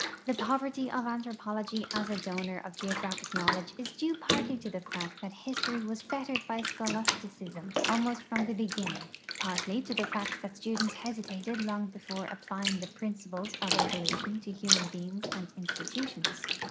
The poverty of anthropology as a donor of geogra])hic knowledge is due partly to the fact that history was fettered by scholasticism almost from the beginning, partly to the fact that students hesitated long before applying thei)rin eiples of evolution to human b('ings and institutions.